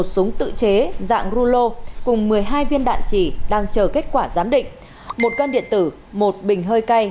một súng tự chế dạng rulo cùng một mươi hai viên đạn chỉ đang chờ kết quả giám định một cân điện tử một bình hơi cay